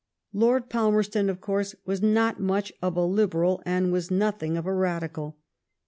Lord Palmerston, of course, was not much of a Liberal, and was nothing of a Radical.